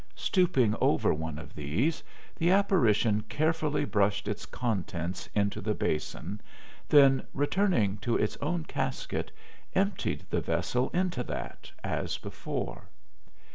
Stooping over one of these, the apparition carefully brushed its contents into the basin, then returning to its own casket, emptied the vessel into that, as before.